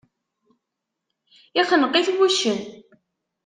Ixneq-it wuccen.